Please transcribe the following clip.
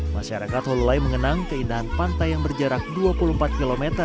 masyarakat hololai mengenang keindahan pantai yang berjarak dua puluh empat km